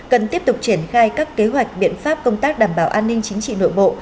cần tiếp tục triển khai các kế hoạch biện pháp công tác đảm bảo an ninh chính trị nội bộ